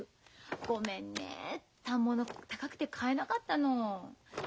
ごめんね反物高くて買えなかったの。